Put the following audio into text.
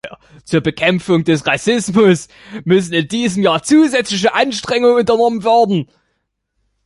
Zur Bekämpfung des Rassismus müssen in diesem Jahr zusätzliche Anstrengungen unternommen werden.